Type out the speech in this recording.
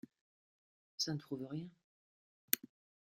Ca ne prouve rien…